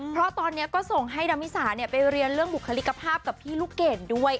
เพราะตอนนี้ก็ส่งให้ดามิสาไปเรียนเรื่องบุคลิกภาพกับพี่ลูกเกดด้วย